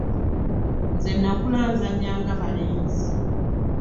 nze nnakula nzannya nga balenzi.